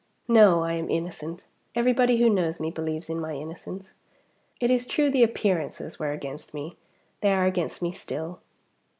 "No; I am innocent. Everybody who knows me believes in my innocence. It is true the appearances were against me. They are against me still."